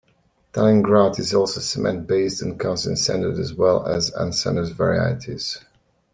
Tiling grout is also cement-based, and comes in sanded as well as unsanded varieties.